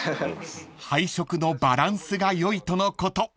［配色のバランスが良いとのこと］